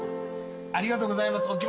ありがとうございます。